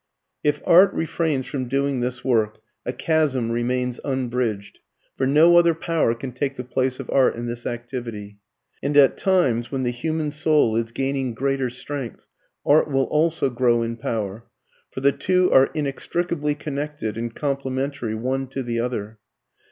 If art refrains from doing this work, a chasm remains unbridged, for no other power can take the place of art in this activity. And at times when the human soul is gaining greater strength, art will also grow in power, for the two are inextricably connected and complementary one to the other.